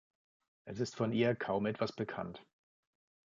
Es ist von ihr kaum etwas bekannt.